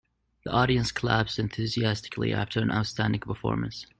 The audience clapped enthusiastically after an outstanding performance.